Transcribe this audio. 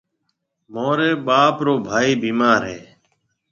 مهاريَ ٻاپ رو ڀائي بِيمار هيَ۔